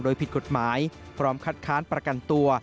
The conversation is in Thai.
โดยผิดกฎหมายพร้อมคัดค้านประกันตัว